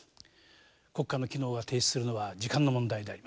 国家の機能が停止するのは時間の問題であります。